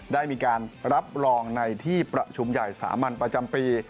ได้มีการรับรองในที่ประชุมใหญ่สามัญประจำปี